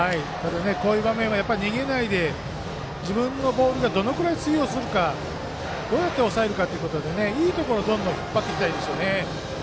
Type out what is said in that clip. こういう場面は逃げないで自分のボールがどのぐらい通用するかどうやって抑えるかということでいいところをどんどん引っ張っていきたいです。